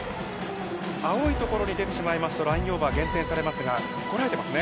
青い所に出てしまいますと、ラインオーバー、減点されますが、そうですね。